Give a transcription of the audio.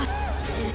えっ？